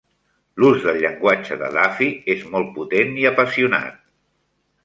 L'ús del llenguatge de Duffy és molt potent i apassionat.